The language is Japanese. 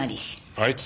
あいつ？